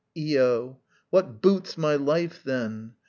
Io. What boots my life, then?